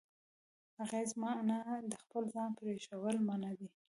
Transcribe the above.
اغېز معنا د خپل ځان پرېښوول نه دی.